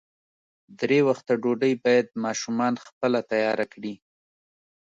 درې وخته ډوډۍ باید ماشومان خپله تیاره کړي.